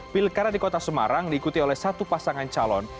pilkada di kota semarang diikuti oleh satu pasangan calon